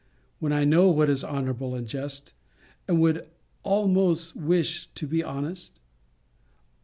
When I know what is honourable and just; and would almost wish to be honest?